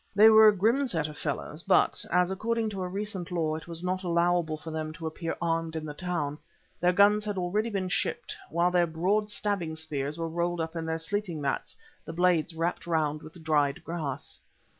They were a grim set of fellows, but as, according to a recent law it was not allowable for them to appear armed in the town, their guns had already been shipped, while their broad stabbing spears were rolled up in their sleeping mats, the blades wrapped round with dried grass.